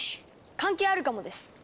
関係あるかもです！